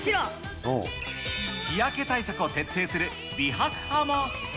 日焼け対策を徹底する美白派も。